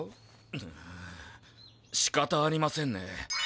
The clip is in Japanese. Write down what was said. むむしかたありませんね。